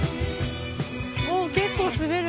おっ結構滑る。